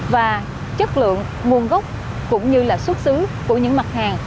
và chất lượng nguồn gốc cũng như là xuất xứ của những mặt hàng